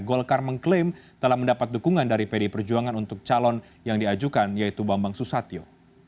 golkar mengklaim telah mendapat dukungan dari pdi perjuangan untuk calon yang diajukan yaitu bambang susatyo